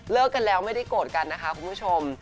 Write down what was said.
กันแล้วไม่ได้โกรธกันนะคะคุณผู้ชม